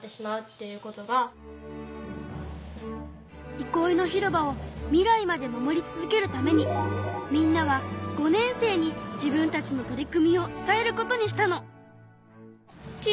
いこいの広場を未来まで守り続けるためにみんなは５年生に自分たちの取り組みを伝えることにしたの。